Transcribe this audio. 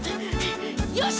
よし！